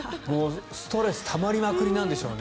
ストレスたまりまくりなんでしょうね。